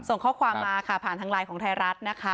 ส่งข้อความมาค่ะผ่านทางไลน์ของไทยรัฐนะคะ